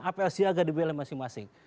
apel siaga di wilayah masing masing